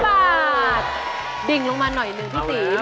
๑๐๕บาทดิ่งลงมาหน่อย๑ที่๔เอ้า๋เอาเหลือ